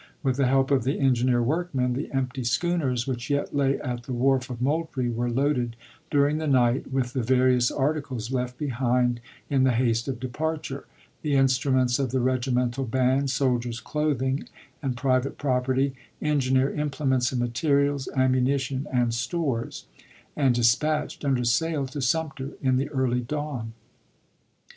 With the help of the engineer work men, the empty schooners which yet lay at the wharf of Moultrie were loaded during the night with the various articles left behind in the haste of departure — the instruments of the regimental band, soldiers' clothing and private property, en gineer implements and materials, ammunition, and stores — and dispatched under sail to Sumter in the Dawson, DD 52 53 early dawn.